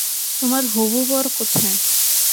তোমার হবু বর কোথায়?